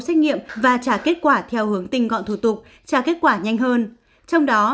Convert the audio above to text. xét nghiệm và trả kết quả theo hướng tình gọn thủ tục trả kết quả nhanh hơn trong đó